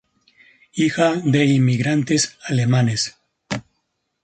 Hija de inmigrantes alemanes.